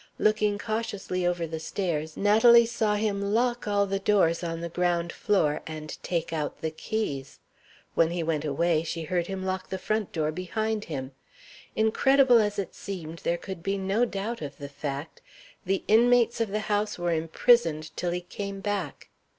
Looking cautiously over the stairs, Natalie saw him lock all the doors on the ground floor and take out the keys. When he went away, she heard him lock the front door behind him. Incredible as it seemed, there could be no doubt of the fact the inmates of the house were imprisoned till he came back.